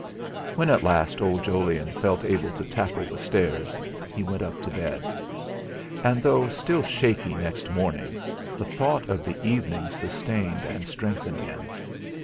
When at last old Jolyon felt able to tackle the stairs he went up to bed. And, though still shaky next morning, the thought of the evening sustained and strengthened him.